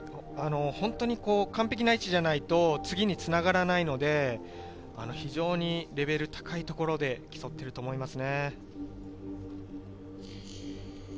本当に完璧な位置じゃないと次に繋がらないので、非常にレベル高いところで競っていると思います。